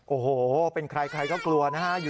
โอ้โหเป็นใครใครก็กลัวนะฮะ